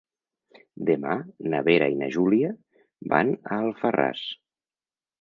Demà na Vera i na Júlia van a Alfarràs.